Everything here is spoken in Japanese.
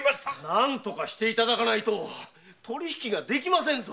何とかしていただかぬと取り引きができませんぞ！